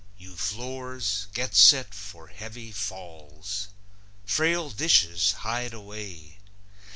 You floors, get set for heavy falls! Frail dishes, hide away!